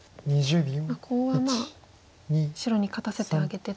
コウは白に勝たせてあげてと。